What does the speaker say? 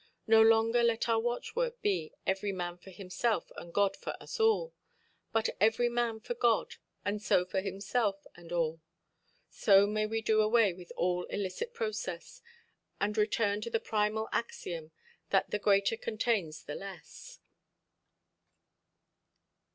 No longer let our watchword be, "Every man for himself, and God for us all", but "Every man for God, and so for himself and all". So may we do away with all illicit process, and return to the primal axiom that "the greater contains the less".